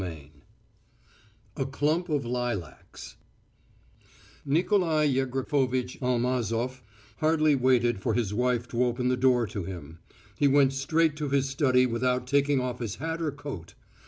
XII A CLUMP OF LILACS Nikolai Yevgrafovitch Almazof hardly waited for his wife to open the door to him; he went straight to his study without taking off his hat or coat.